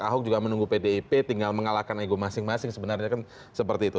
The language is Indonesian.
ahok juga menunggu pdip tinggal mengalahkan ego masing masing sebenarnya kan seperti itu